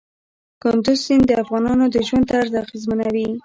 کندز سیند د افغانانو د ژوند طرز اغېزمنوي.